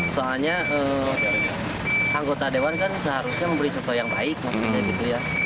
soalnya anggota dewan kan seharusnya memberi contoh yang baik maksudnya gitu ya